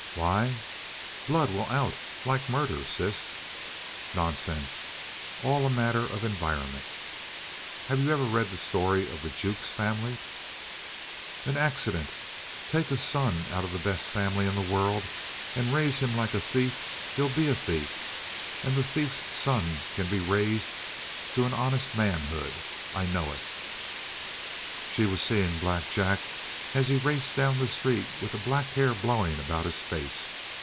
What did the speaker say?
"Why? Blood will out, like murder, sis." "Nonsense! All a matter of environment." "Have you ever read the story of the Jukes family?" "An accident. Take a son out of the best family in the world and raise him like a thief he'll be a thief. And the thief's son can be raised to an honest manhood. I know it!" She was seeing Black Jack, as he had raced down the street with the black hair blowing about his face.